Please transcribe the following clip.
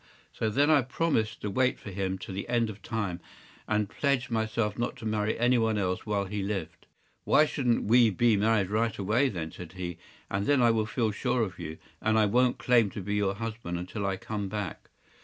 So then I promised to wait for him to the end of time, and pledged myself not to marry any one else while he lived. ‘Why shouldn’t we be married right away, then,’ said he, ‘and then I will feel sure of you; and I won’t claim to be your husband until I come back?